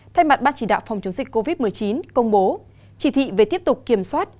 thay mặt ban chỉ đạo phòng chống dịch covid một mươi chín công bố chỉ thị về tiếp tục kiểm soát